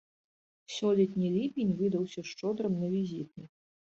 Сёлетні ліпень выдаўся шчодрым на візіты.